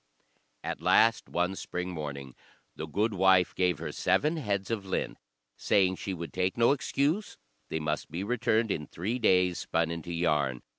At last, one spring morning, the gudewife gave her seven heads of lint, saying she would take no excuse; they must be returned in three days spun into yarn.